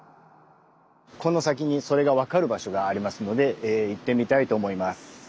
この先にそれが分かる場所がありますので行ってみたいと思います。